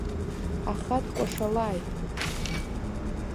Аха дкәашалааит.